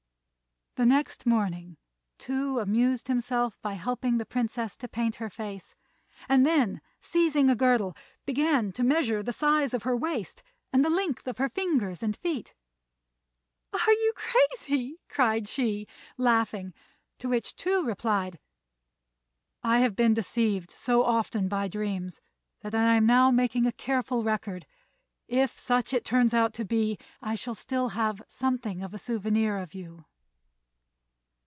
Next morning Tou amused himself by helping the Princess to paint her face, and then, seizing a girdle, began to measure the size of her waist and the length of her fingers and feet. "Are you crazy?" cried she, laughing; to which Tou replied, "I have been deceived so often by dreams, that I am now making a careful record. If such it turns out to be, I shall still have something as a souvenir of you."